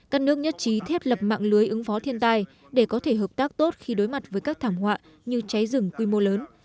các nước nhất trí thiết lập mạng lưới ứng phó thiên tai để có thể hợp tác tốt khi đối mặt với các thảm họa như cháy rừng quy mô lớn